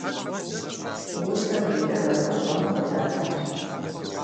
Усэр гукӏэ зэдгъэщӏэну къыдатащ.